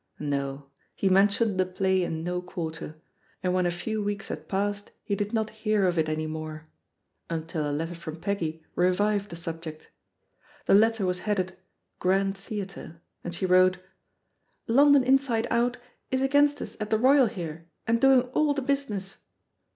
No, he mentioned the play in no quarter, and when a few weeks had passed he did not hear of it any more, until a letter from Peggy revived the subject. The letter was headed "Grand Theatre/' and she wrote, '^ London Inside Out is against us at the Royal here and doing all the business.